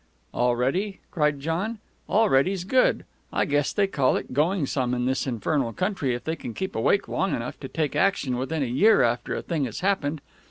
"Already!" cried John. "Already's good. I guess they call it going some in this infernal country if they can keep awake long enough to take action within a year after a thing has happened.